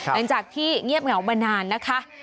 หลังจากที่เงียบเหงามานานนะคะ